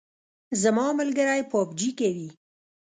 زما ملګری پابجي کوي